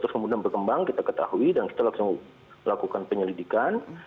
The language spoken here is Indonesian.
terus kemudian berkembang kita ketahui dan kita langsung lakukan penyelidikan